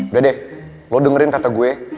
udah deh lo dengerin kata gue